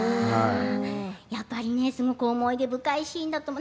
やっぱり、すごく思い出深いシーンだと思う。